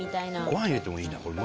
ご飯入れてもいいなこれ。